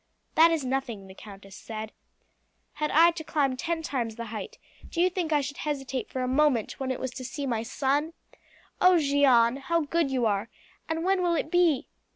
"That is nothing," the countess said. "Had I to climb ten times the height, do you think I should hesitate for a moment when it was to see my son? Oh, Jeanne, how good you are! And when will it be?"